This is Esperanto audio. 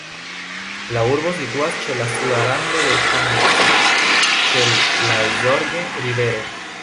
La urbo situas ĉe la suda rando de la Harco, ĉe la Zorge-rivero.